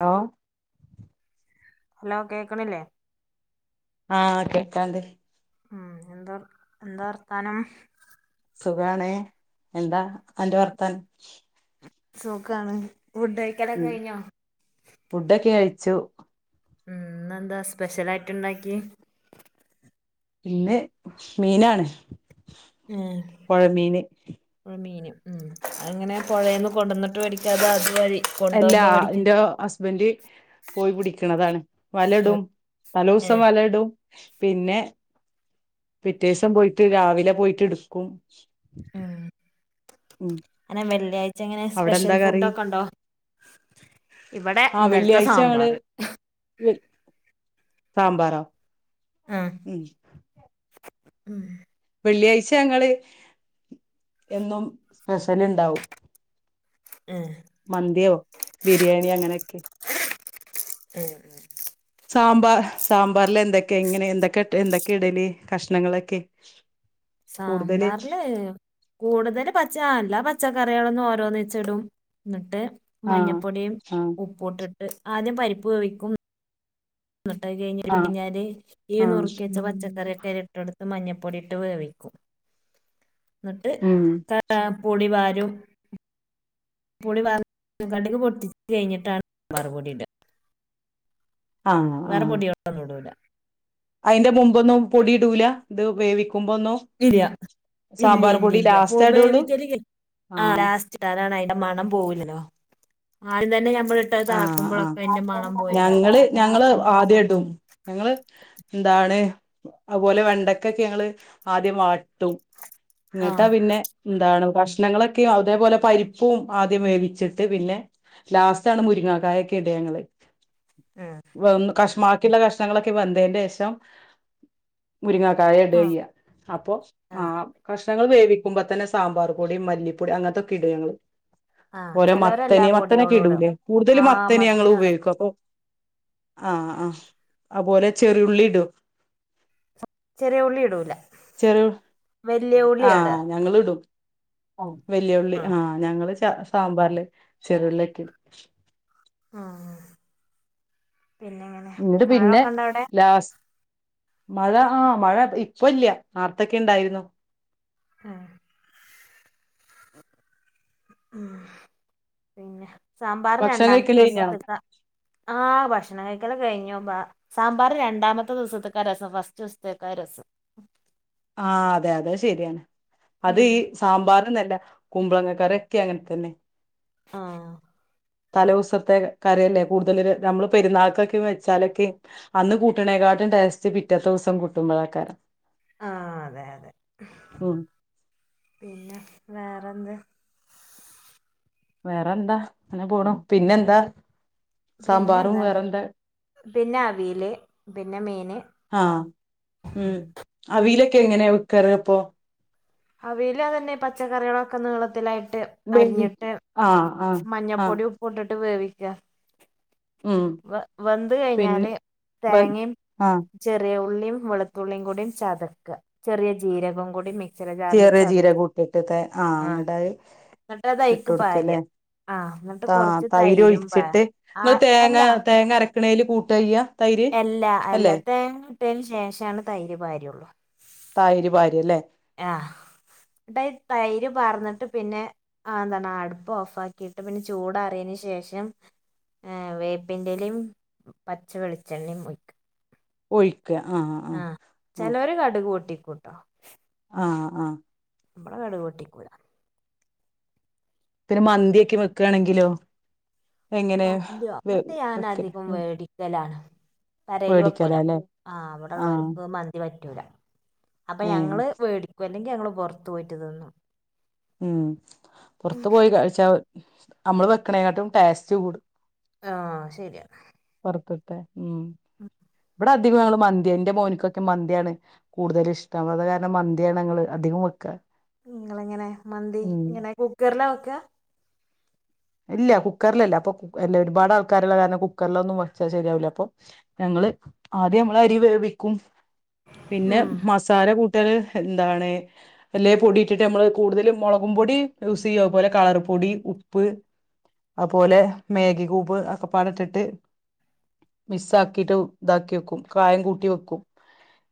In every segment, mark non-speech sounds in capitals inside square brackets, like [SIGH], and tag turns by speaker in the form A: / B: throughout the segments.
A: ഓ
B: hello കേക്ക്ണില്ലേ
A: ആ കേക്കാണ്ട്
B: ഉം എന്താ എന്താ വർത്താനം
A: സുഖാണ് എന്താ അന്റെ വർത്താനം
B: സുഖാണ് ഫുഡ് കഴിക്കലൊക്കെ
A: ഉം
B: കഴിഞ്ഞോ
A: ഫുഡൊക്കെ കഴിച്ചു
B: ഉം ഇന്നെന്താ സ്പെഷ്യൽ ആയിട്ട് ഇണ്ടാക്കിയെ
A: ഇന്ന് മീനാണ്
B: ഏ
A: പുഴമീന്
B: ഇവടെ മീൻ ഉം അങ്ങനെ പൊഴേന്ന് കൊണ്ടന്ന്ട്ട് മേടിക്കാതെ അതു വഴി
A: എല്ലാ
B: കൊണ്ടുപോകുമ്പോ മേടിക്കാ
A: ഇന്റെ ഹസ്ബെന്റ് പോയി പിടിക്ക്ണതാണ് വല ഇടും തലേ ദുവ്സം
B: ഏഹ്
A: വല ഇടും പിന്നെ പിറ്റേസം പോയിട്ട് രാവിലെ പോയിട്ട് ഇട്ക്കും
B: ഉം അങ്ങനെ വെള്ളി ആഴ് ച്ച എങ്ങനെ
A: അവിടെ
B: സ്പെഷ്യൽ
A: എന്താ കറി
B: ഫുഡ് ഒക്കെ ഇണ്ടോ ഇവടെ
A: ആഹ്
B: ഇന്നൽത്തെ
A: വെള്ളിയാഴ്ച
B: സാമ്പാർ
A: സാബറോ
B: ആഹ്
A: ഉം
B: ഉം
A: വെള്ളിയാഴ്ച ഞങ്ങൾ എന്നും സ്പെഷൽ ഇണ്ടാവും
B: ഏ
A: മന്തിയോ ബിരിയാണിയോ അങ്ങനെക്കെ
B: ഉം ഉം
A: സാമ്പാർ സാമ്പാറൽ എന്തൊക്കെയ ഇങ്ങനെ എന്തൊക്കെ എന്തൊക്കെ ഇടല് കഷ്ണങ്ങളൊക്കെ കൂടുതല്
B: സാമ്പാറല്ലേ കൂടുതല് പച്ച അല്ല പച്ചക്കറികളൊന്നും ഓര ഒന്നിച്ച് ഇടും എന്നിട്ട്
A: ആഹ്
B: മഞ്ഞപ്പൊടിയും
A: ആഹ്
B: ഉപ്പു യിട്ടിട്ട് ആദ്യം പരിപ്പ് വേവിക്കും എന്നിട്ട് കഴിഞ്ഞി
A: ആഹ്
B: കുടിഞ്ഞാല് ഈ
A: ആഹ്
B: നുറുക്കി വെച്ച പച്ചക്കറിയെക്കെ അതിൽ ഇട്ട് കെടുത്ത് ത് മഞ്ഞപ്പൊടിയിട്ട് വേവിക്കും എന്നിട്ട്
A: ഉം
B: പൊടി വാരി രും പൊടി വാർ കണ്ടക്ക്ക് പൊട്ടിച്ചു കഴിഞ്ഞിട്ടാണ് വറുപൊടിയിട വേറെ പൊടിയികൊന്നും ഇടൂല
A: അതിന്റെ മുമ്പൊന്നും പൊടി ഇടൂല ഇത് വേവിക്കും
B: ഇല്ല ഇല്ല ഇല്ല
A: പൊടി
B: ഇല്ല പ
A: ലാസ്റ്റ് ഇടുള്ളൂ
B: വേവിക്കല് ആ
A: ആഹ്
B: ലാസ്റ്റ്താണ് അന്റെ മണം പോവില്ലല്ലോ ആദ്യംന്നെ ഞമ്മ
A: ആ ആ ഞങ്ങള് ഞങ്ങള് ആദ്യം ഇടും ഞങ്ങള് എന്താണ് അതുപോലെ വെണ്ടക്കൊക്കെ ഞങ്ങള് ആദ്യം പാട്ടും
B: ആ
A: എന്നിട്ടാ പിന്നെ എന്താണ് കഷ്ണങ്ങളൊക്കെയ അതേപോലെ പരിപ്പും ആദ്യം വേവിച്ചിട്ട് പിന്നെ ലാസ്റ്റ് മുരിങ്ങായക്കെ ഇടിക ഞങ്ങള്
B: ഉം.
A: ഒന്ന് കഷ് ബാക്കിള്ള കഷ്ണങ്ങളൊക്കെ വെന്തേന്റെ ശേഷം മുരിങ്ങാക്കായ ഇടിക
B: ആഹ്
A: ചെയിക അപ്പൊ ആ
B: ആഹ്
A: കഷ് ഞങ്ങൾ വേവിക്കുമ്പോ തന്നെ സാമ്പാർ പൊടി മല്ലിപ്പൊടി അങ്ങനത്തൊക്കെ ഇടും ഞങ്ങൾ
B: ആഹ്
A: ഓരോ
B: ചെലോരെല്ലാ
A: മത്തനി മത്തനൊക്കെ
B: പൊടിയോളും ഇടും
A: ഇടൂലേ കൂടുതൽ
B: ആഹ്
A: മത്തനി ഞങ്ങൾ
B: മത്തനുടും
A: ഉപയോഗിക്കും അപ്പൊ ആ ആ അപോലെ ചെറിയുള്ളിടും
B: ചെറിയ ഉള്ളി ഇടൂല
A: ചെറിയ
B: വല്യ
A: ആ
B: ഉള്ളിയാ ഇടാ
A: ഞങ്ങളും ഇടും ആ വല്യ ഉള്ളി ആഹ് ഞങ്ങള് സാമ്പാറില്ചെറള്ളിയൊക്കെ ഇടും
B: ആ പിന്നെങ്ങനെ
A: എന്നിട്ട് പിന്നെ
B: മഴൊക്കെ ഉണ്ടേ അവിടെ
A: ലാസ്റ്റ് മഴ ആ മഴ ഇപ്പല്ല നാർത്തൊക്കെ ഉണ്ടായിരുന്നു
B: ആ ആ പിന്നെ സാമ്പാർ
A: ഭക്ഷണം
B: രണ്ടാമത്തെ
A: കഴിക്കല് കഴിഞ്ഞോ
B: ദിവസത്തേക്കാ ആ ഭക്ഷണം കഴിക്കല കഴിഞ്ഞുമ്പാ സാമ്പാർ രണ്ടാമത്തെ ദിവസത്തേക്കാ രസം ഫസ്റ്റ് ദിവസത്തേക്ക രസം
A: ആ അതെ അതെ ശരിയാണ് അത്
B: ഉം
A: ഈ സാമ്പാർ ല്ല കുമ്പളങ്ങ കറിറൊക്കെ അങ്ങനെ തന്നെ
B: ആ
A: തലേ ദിവസത്തെ കാര്യല്ലേ കൂടുതൽ നമ്മള് പെരുന്നാൾക്കൊക്കെ വെച്ചാലൊക്കെ അന്ന് കൂട്ടണേക്ക ടേസ്റ്റ് പിറ്റെത്തെ ദിവസം കറുട്ടുമ്പോളെക
B: അതെ അതെ
A: ഉം
B: എന്തോ
A: വേറെ എന്താ അങ്ങനെ പോണുപിന്നെന്താ
B: പിന്നെ എന്താ പിന്നെ അവിയല് പിന്നെ മീന്
A: ആ ഉം അവയിലൊക്കെ എങ്ങനെയാ വെക്കാറ് അപ്പൊ
B: അവിയൽ അത് തന്നെ പച്ചക്കറികളൊക്കെ നീളത്തി അരി
A: വേ
B: അരിഞ്ഞിട്ട്
A: ആ ആ ആ
B: മഞ്ഞപ്പൊടി ഉപ്പ്ട്ടിട്ട് വേവിക്ക
A: ഉം
B: വ വെന്ത്
A: പിന്നെ
B: കഴിഞ്ഞാല്
A: വ
B: തേങ്ങയും
A: ആ
B: ചെറിയ ഉ ഉള്ളിയും വെളുത്തുള്ളിയും കൂടെ ചതക്ക ചെറിയ ജീരകം കൂടി മി
A: ചെറിയ ജീരകം കൂട്ടിട്ട് ആഹ് അങ്ങട്ട
B: എന്നിട്ട് അത് അയിക്ക് പാര്യ
A: ഇട്ടൊടുക്കല്ലേ
B: ആഹ് എന്നിട്ട്
A: ആ
B: കൊറച്ച്
A: തൈര്
B: തൈരും പാ
A: ഒഴിച്ചിട്ട്
B: ആ
A: നിങ്ങൾ തേങ്ങ
B: അല്ല
A: തേങ്ങ അരക്കണേൽ കൂട്ട്യ്യ
B: എല്ലാ എല്ലാത്ത മുട്ടിയതിന് ശേഷമാണ് തൈര് ഭാര്യുള്ളു
A: തൈയര് ഭാര്യയല്ലേ
B: ആഹ് [UNINTELLIGIBLE] തൈര് പാറ്ന്ന്ട്ട് പിന്നെ ആഹ് എന്താന്നാ ആഹ് അട്പ്പ് ഓഫാക്കീട്ട് പിന്നെ ചൂടാറിയേന് ശേഷം ഏഹ് വേപ്പിന്റലിം ഉം പച്ചവെളിച്ചെണ്ണിം ഒഴിക്കാ
A: ഒഴി
B: ആഹ് ചെലോര് കടുക് പൊട്ടിക്കുട്ടോ
A: ആഹ് ആഹ്
B: ഇവടെ കടുക്ക് പൊട്ടിക്കൂല
A: പിന്നെ മന്തിയൊക്ക്യേ വെക്കാണെങ്കിലോ എങ്ങനെ
B: [UNINTELLIGIBLE]
A: വെ
B: ഞാൻ
A: വെക്കല്
B: അധികോം
A: ഉം
B: വേടിക്കലാണ് പേരെല് വക്കൂല
A: വേടിക്കലാല്ലേ
B: ആ
A: ആ
B: അവിടെള്ളോര്ക്ക് മന്തി പറ്റൂ റ്റൂലാ അപ്പൊ
A: ഏ
B: ഞങ്ങള് വേടിക്കും അല്ലെങ്കില് ഞങ്ങള് പൊർത്ത് പോയ്റ്റ്തിന്നും
A: ഉം പൊർത്ത് പോയി കഴിച്ചാ നമ്മള് വെക്കണേക്കാട്ടും ടേസ്റ്റ് കൂടും
B: ആഹ് ശരിയാ
A: പൊർത്ത്തേ
B: ഉം
A: ഇവിടെ അധികം ഞങ്ങള് മന്തിന്നേ ന്റെ മോന്ക്കൊക്കെ മന്തിയാണ് കൂടുതലും ഇഷ്ടം അത് കാരണം മന്തിയാണ് ഞങ്ങള് അധികം വെക്കാ
B: ഉം ങ്ങളെങ്ങനെ മന്തി
A: ഉം
B: ഇങ്ങനെ കുക്കറിലാ വെക്കാ
A: ഇല്ല കുക്കറിലല്ല അപ്പൊ എല്ല ഒരുപാട് ആൾക്കാര്ള്ള കാരണം കുക്കറിലൊന്നും വെച്ചാ ശരിയാവില്ല അപ്പൊ ഞങ്ങ ള് ആദ്യം നമ്മള് അരിവേവിക്കും പിന്നെ
B: ഉം
A: മസാല ക്കൂ ട്ടൽ എന്താണ് എല്ലേ പൊടിയിട്ടിട്ട് നമ്മള് കൂടുതലും മൊളകും പൊടി യൂസ് ചെയ്യും കളർ പൊ ടി ഉപ്പ് അതുപോലെ മേഗീ ക്യൂബ് അതൊക്കെപ്പാടെ ഇട്ടിട്ട് മിസ്സാക്കിട്ട് ഇതാക്കി വെക്കും കായം കൂട്ടി വെക്കും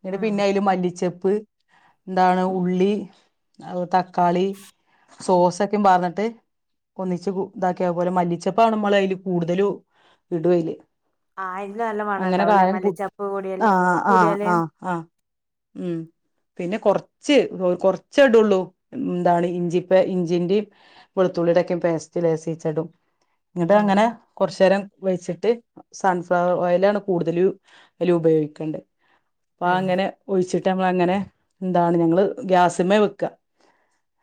A: ഇന്നിട്ട്
B: ഉം
A: പിന്നയ്ല് മല്ലിച്ചപ്പ് എന്താണ് ഉള്ളി അഹ് ത ക്കാളി സോസൊക്കെ പാർന്നിട്ട് ഒന്നിച്ച് ക്കൂ ഇതാക്കിയ അതുപോലെ മല്ലിച്ചപ്പണ് മ്മള് അയ്ല് കൂടുതലും ഇടുഅയ്ല്
B: ആ അയില് നല്ല മണം
A: അങ്ങനെ
B: ഉണ്ടാവുംല്ലേ
A: കായം ക്കൂ
B: മല്ലിച്ചപ്പ് കൂടിയാല്
A: ആഹ് ആഹ്
B: കൂടിയാല്
A: ആഹ് ആഹ് ഉം പിന്നെ കൊർച്ച് കൊർച്ചെടുള്ളൂ എന്താണ് ഇഞ്ചിപ്പേ ഇഞ്ചിന്റിം വെളുത്തുള്ളി തൊക്കിം പേസ്റ്റ് ലേസീച്ചെടും
B: ആ
A: ന്നിട്ടങ്ങനെ കൊർച്ചേരം വെിച്ചിട്ട് സൺഫ്ലവർ ഓയിലാണ് കൂടുതലും അതില് ഉപയോഗിക്കേണ്ടത് അപ്പൊ
B: ആ
A: അങ്ങനെ ഒഴിച്ചിട്ട് ന്നിട്ടമ്മളങ്ങനെ എന്താണ് ഞങ്ങള് ഗ്യാസിമ്മേ വെക്കാ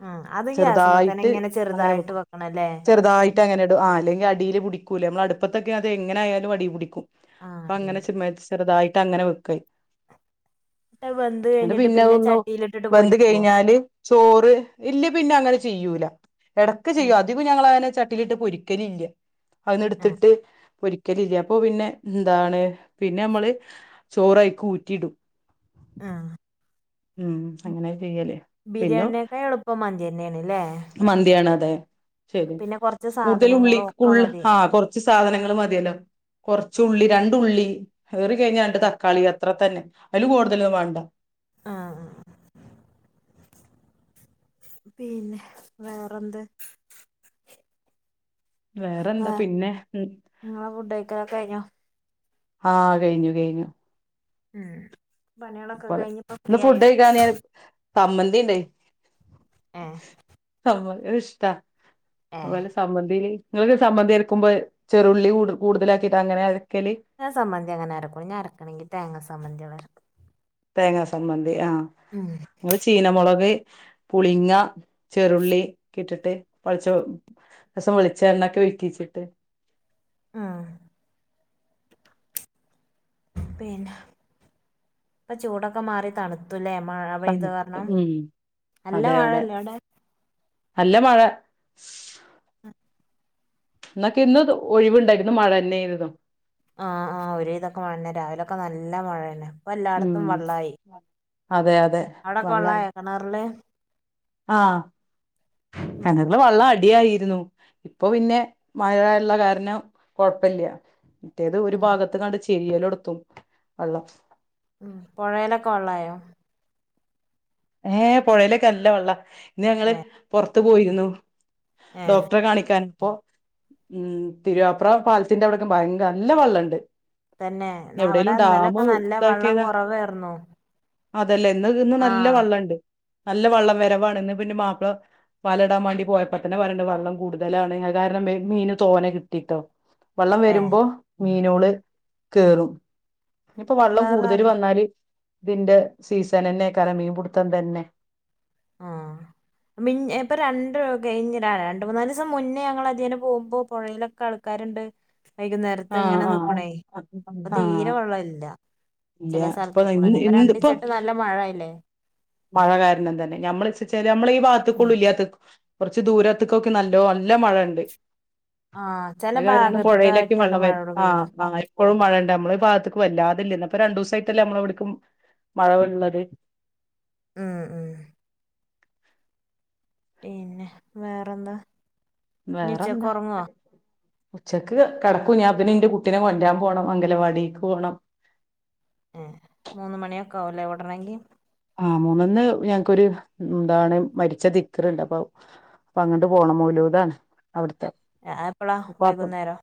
B: ഉം അത് ഗ്യാസുമത്തന്നെ ഇങ്ങനെ ചെറുതായിട്ട് വെക്കണല്ലേ
A: ആയിറ്റ് അങ്ങനെ ഇടും ആഹ് അല്ലെങ്കി അടിയിൽ പിടിക്കൂല്ലേ നമ്മള അടുപ്പത്തൊക്കെ അ എങ്ങന ആയാലും അടിൽ പിടിക്കും
B: ആ
A: അപ്പൊ അങ്ങനെ
B: അടിപൊളി
A: [UNINTELLIGIBLE] ചെറുതായിട്ട് അങ്ങനെ വെക്കായ്
B: ട്ട് വെന്ത്
A: എന്നിട്ട്
B: കഴിഞ്ഞിട്ട് പിന്നെ
A: പിന്നെതൊന്നു
B: ചട്ടിയിലിട്ടിട്ട്
A: വെന്ത്
B: പൊരിക്കുവോ
A: കയിഞ്ഞാല് ചോറ് ഇല്ല പിന്നെ അങ്ങനെ ചെയ്യൂല എടക്ക് ചെയ്യും അത് ഞങ്ങളങ്ങനെ ചട്ടീലിട്ട് പൊരിക്കലില്ല അത് ന്ന് എടുത്തിട്ട് പൊരിക്കലില്ല അപ്പൊ പിന്നെ എന്താണ് പിന്നെ നമ്മള് ചോറയിക്ക് ഊറ്റിടും
B: ആഹ്
A: ഉം അങ്ങനാ ചെയ്യല് പിന്നെ
B: ബിരിയാണിനേക്കാൾ എളുപ്പം മന്തി തന്നെയാണ്ല്ലേ
A: മന്തിയാണ് അതെ ശരി
B: പിന്നെ കൊറച്ച്
A: കൂടുതൽ ഉള്ളി
B: സാധനങ്ങളും ഒക്കെ
A: ഉള്ള്
B: മതി
A: ആഹ് കൊറച്ച് സാധനങ്ങൾ മതിയല്ലോ കൊറച്ച് ഉള്ളി രണ്ടുള്ളി ഏറി കഴിഞ്ഞാ രണ്ട് തക്കാളി അത്ര തന്നെ അതില് കൂടുതലൊന്നും വേണ്ട
B: ആഹ് ആഹ് ആഹ് പിന്നെ വേറെന്ത് ആ
A: വേറെന്താ പിന്നെ
B: നിങ്ങളെ ഫുഡ് കഴിക്കലൊക്കെ കഴിഞ്ഞോ
A: ആഹ് കയിഞ്ഞു കയിഞ്ഞു
B: ഉം പണികളൊക്കെ കഴിഞ്ഞിപ്പോ ഫ്രീ ആയോ?
A: സമ്മന്തിയിണ്ടേ
B: എഹ്
A: ഇഷ്ടാ അതുപോലെ സമന്തിയില് നിങ്ങൾക്ക് സംന്ം എടുക്കുമ്പോ ചെറുള്ളി കൂടുലാക്കിട്ട് അങ്ങന
B: ഞാ സംബന് അങ്ങനെ ഇക്കും ഞാ ഇറക്കണെങ്കി തേങ്ങ സംന്തി ഇരക്കും
A: തേങ്ങാ സംമ്മന്തി ആഹ
B: ഉം
A: നള് ചീനമുളക് പുളിങ്ങ ചെരുളി ഒ ഇട്ടിട്ട് പളിച്ച രസം വെളിച്ചണൊക്കെ വക്കിച്ചിട്ട്
B: ആഹ പിന്നെ ഇപ്പൊ ചൂടൊക്കെ മാറി തണുത്തലേ
A: ഉ
B: നല്ല
A: അതെ അതെ
B: മഴയല്ലേ അവിടെ
A: നല്ല മഴ എന്നൊക്കെ ഇന്ന് ഒഴിവുണ്ടായിരുന്നു മഴ തന്നെയത
B: ആഹ ആ ഒ ഇതൊക്കെ മഴ തന്നെ രാവിലൊക്കെ നല്ല മഴ തന്നെ ഇപ്പൊ
A: ഉം
B: എല്ലാടത്തും വെള്ളായി
A: അതെ അതെ
B: അവിടൊക്കെ
A: വെള്ളായി
B: വെള്ളായോ കെണറില്?
A: ആഹ്
B: ഉം
A: ഞങ്ങക്ക് വെള്ള അടി അടി ആയിരുന്നു ഇപ്പൊ പിന്നെ മഴള്ള കാരണം കൊഴപ്പല്ല മറ്റേത് ഒരു
B: ഉം
A: ഭാഗത്ത് കാണ്ട് ചെരിയല് ഒടത്തും വെള്ളം
B: ഉം പൊഴേലൊക്കെ വെള്ളായോ
A: ഏഹ് പൊഴേലൊക്കെ നല്ല വെള്ളാ ഇന്ന് ഞങ്ങള്
B: ഏഹ്
A: പൊറത്ത് പോയിരുന്നു
B: ഏഹ്
A: ഡോക്ടറെ കാണിക്കാന് അപ്പം ഉം തിരുവാപ്ര പാലത്തിന്റെ അവിടെക്ക് ഭയങ്ക നല്ല വെള്ളണ്ട്
B: തന്നെ ന്ന അവിടെ
A: എവിടേലും ഡാം
B: ഇന്നലൊക്കെ നല്ല വള്ളം
A: ഇതാക്കിയതാ
B: കുറവേർന്നു.
A: അതല്ലേ ഇന്ന് ഇന്ന് നല്ല വള്ളംണ്ട് നല്ല വള്ളം വരവാണ് ഇന്ന് പിന്നെ മാപ്പള വലടാൻ വേണ്ടി പോയപ്പോ തന്നെ പറയണ്ട്‌ വെള്ളം കൂടുതലാണ് അത് കാരണംബേ മീന് തോനെ കിട്ടിട്ടൊ. വള്ളം
B: ഏഹ്
A: വരുമ്പോ മീനോള് കേറും ഇനി ഇപ്പൊ വള്ളം
B: വേറെ
A: കൂടുതൽ
B: ആരെ
A: വന്നാല് ഇതിന്റെ സീസനെനെ. ക്കാരൻ മീൻപുടുത്തം തന്നെ.
B: മിഞ്ഞെ ഇപ്പൊ രണ്ട് കഴിഞ്ഞെര രണ്ട് മൂന്നാല് ദിവസം മുന്നേ ഞങ്ങൾ അതിയേനെ പോമ്പോ പുഴീലൊക്കെ ആൾ ക്കാര്ണ്ട് വൈകുന്നേരത്ത്
A: ആഹ്
B: ഇങ്ങനെ
A: ആഹ്
B: നിപ്പനെ ഇപ്പൊ
A: ആഹ്
B: തീരെ വെള്ള ഇല്ല
A: ഇല്ല
B: ചെല
A: ഇപ്പൊ
B: സ്ഥലത്ത് കൂടെള്ളു
A: ഇന്ന്
B: ഇപ്പൊ
A: ഇന്ന്
B: രണ്ടീസായിട്ട് നല്ല മഴായില്ലേ.
A: മഴ കാരണം തന്നെ. ഞമ്മള്ച്ച്ച്ചാല് ഞമ്മളെ ഈ ഭാത്തുക്കുള്ളൂ ഇല്ലാത്തത് കുറച്ച് ദൂരത്ത്ക്കൊക്കെ നല്ലോ നല്ല മഴണ്ട്.
B: ആഹ് ചെല
A: അത് കാരണാണ്
B: ഭാഗത്ത്ക്കാ
A: പുഴയിലൊക്കെ വെള്ളം വരും ആഹ് ആഹ് എപ്പഴും മഴണ്ട് നമ്മള ഈ ഭാഗത്ത്ക്ക് വല്ലാതില്ല ഇന്നപ്പൊ രണ്ടൂസായിട്ടല്ലെ നമ്മളെവിട്ക്കും മഴവ്ള്ളത്
B: ഉം ഉം പിന്നെ വേറെന്താ ഇനി
A: വേറെ
B: ഉച്ചക്ക്
A: എന്താ
B: ഉറങ്ങുവോ
A: അതെ ഉച്ചക്ക് കിടക്കും ഞാൻ പിന്നെ ഇന്റെ കുട്ടിനെ കൊണ്ടരാൻ പോണം അങ്കല വാടീക്ക് പോണം
B: ഏഹ് മൂന്ന് മണിഓക്കെ ആവുല്ലേ വിടണെങ്കി.
A: ആഹ് മൂന്നൊന്ന് ഞങ്ങക്കൊരു എന്താണ് മരിച്ച ദിക്ക്ർ ഇണ്ട് അപ്പൊ അപ്പൊ അങ്ങട്ട് പോണം മൗലൂതാണ് അവിടുത്തെ
B: എപ്പളാ
A: ഉപാപ്പ
B: വൈകുന്നേരോ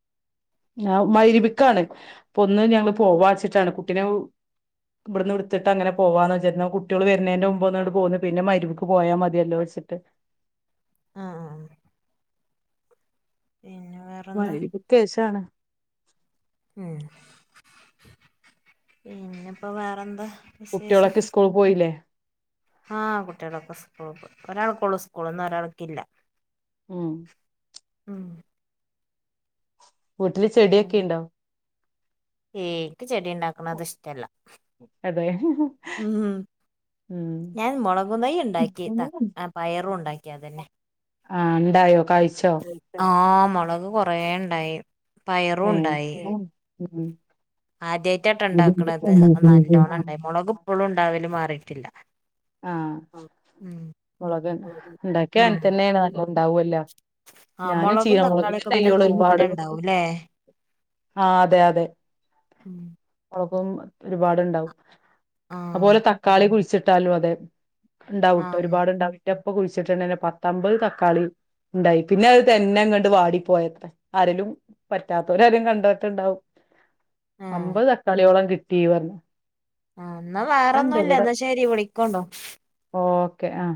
A: ഞാവു മഗ്രിബിക്കാണ് അപ്പൊ ഒന്ന് ഞങ്ങള് പോവാ വെച്ചിട്ടാണ് കുട്ടിനെ ഇവിടുന്ന് ഉടുത്തിട്ട് അങ്ങനെ പോവാന്ന് വിചാരിച് ന്ന കു കുട്ടിയൊൾ വര്നേന്റെ മുമ്പ് ഒന്നങ്ങട്ട് പോന്ന് പിന്നെ മഗ്രിബിക്ക് പോയാ മതിയല്ലോ വെച്ചിട്ട്
B: ആ ആ ആഹ് പിന്നെ വേറെന്താ
A: മഗ്‌രിബ്ക്കേഷാണ്
B: ഉം പിന്നെപ്പോ വേറെന്താ വിശേഷം
A: കുട്ടികളൊക്കെ സ്കൂൾ പോയില്ലേ
B: ആഹ് കുട്ടികളൊക്കെ സ്കൂൾക്ക് ഒരാൾക്കൊള്ളൂ സ്കൂള് ഇന്നൊരാൾക്കില്ല
A: ഉം
B: ഉം
A: വീട്ടില് ചെടിയൊക്കെ ഇണ്ടൊ
B: ഏ ഇൻക് ചെടി ഇണ്ടാക്ക്ണത് ഇഷ്ടല്ല
A: അതെ
B: ഉം
A: ഉം
B: ഞാൻ മുളകും തയ്യ്ണ്ടാക്കി ത പയറും ഉണ്ടാക്കി അതന്നെ
A: ആഹ് ഇണ്ടായോ
B: ആഹ് മുളക് കൊറേ ഇണ്ടായി
A: ഏ
B: പയറൂണ്ടായി
A: ഉം
B: ആദ്യയിട്ടാട്ടൊ ഇണ്ടാക്ക്ണത് അത് നല്ലോണം
A: ആ
B: ഉണ്ടായി മുളക് ഇപ്പളും ഇണ്ടാവല് മാറീട്ടില്ല
A: ആഹ് മുളക് ഇണ്ടാക്കിയ
B: ഉം
A: അങ്ങനെത്തന്നെയാണ് നല്ല ഉണ്ടാവൊല്ലോ
B: ആ
A: ഞാനും
B: മുളകും
A: ചീരമുളകിന്റെ
B: തക്കാളിയൊക്കെ പിന്നെ
A: തയ്യോള് ഒരുപാട്
B: തോനെ ഉണ്ടാവൂല്ലേ
A: ആഹ് അതെ അതെ ക്ക ഒരുപാടുണ്ടാവും
B: ആഹ്
A: അതുപോലെ തക്കാളി കുഴിച്ചിട്ടാലോ അതെ ഉണ്ടാവുട്ട്
B: ആഹ്
A: ഒരുപാട്ണ്ടാവട്ടപ്പൊ കുഴിച്ചിട്ടുണ്ടെ പത്തമ്പത് തക്കാളി ഉണ്ടായി പിന്നെ അത് തന്നെ കണ്ട് വാടിപ്പോയത്ര ആരലും പറ്റാത്തവര ആരും കണ്ടട്ടണ്ടാവും
B: ആഹ്
A: അമ്പത് അക്കാളിയോളം കിട്ടീ പറഞ്ഞ
B: എന്നാ വേറെൊന്നുംല്ല എന്നാ ശരി വിളിക്കോണ്ടു
A: ക്കെ ആഹ